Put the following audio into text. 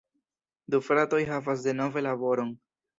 Du fratoj havas denove laboron.